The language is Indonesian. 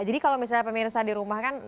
jadi kalau misalnya pemirsa di rumah kan